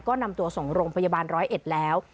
ก็นำตัวส่งโรงพยาบาลร้อยเอ็ดแล้ว